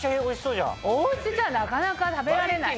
お家じゃなかなか食べられない。